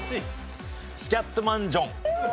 スキャットマン・ジョン。